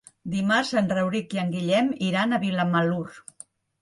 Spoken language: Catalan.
Dimarts en Rauric i en Guillem iran a Vilamalur.